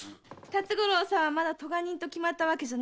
辰五郎さんはまだ咎人と決まったわけじゃないのでしょう？